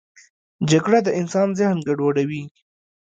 جګړه د انسان ذهن ګډوډوي